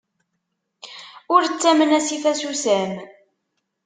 Ur ttamen asif asusam!